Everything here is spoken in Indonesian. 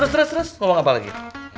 terus ngomong apa lagi